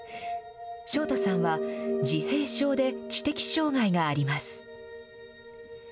翔太さんは、自閉症で知的障害があります。